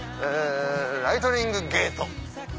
ライトニングゲート！